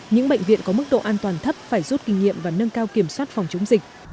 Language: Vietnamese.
những bệnh viện có mức độ an toàn thấp phải rút kinh nghiệm và nâng cao kiểm soát phòng chống dịch